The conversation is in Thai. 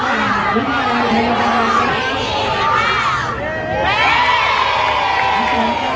ขอบคุณมากนะคะแล้วก็แถวนี้ยังมีชาติของ